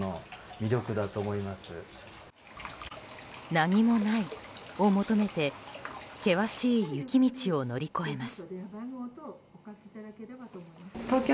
何もないを求めて険しい雪道を乗り越えます。